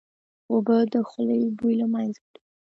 اوبه د خولې بوی له منځه وړي